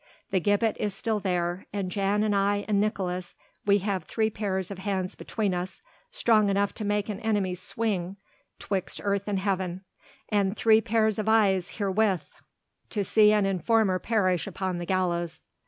The gibbet is still there, and Jan and I and Nicolaes, we have three pairs of hands between us, strong enough to make an enemy swing twixt earth and heaven, and three pairs of eyes wherewith to see an informer perish upon the gallows."